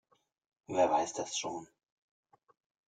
Wer weiß das schon.